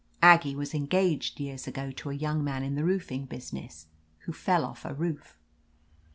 Aggie was engaged years ago to a young man in the roofing business, who fell off a roof.